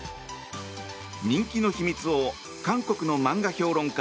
人気の秘密を韓国の漫画評論家